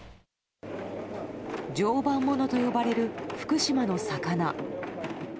常磐ものと呼ばれる福島の魚。